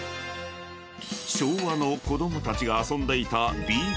［昭和の子供たちが遊んでいた］